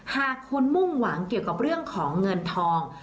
หากคนมุ่งหวังเกี่ยวกับเรื่องของเงินทอง